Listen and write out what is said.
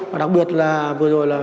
và đặc biệt là vừa rồi là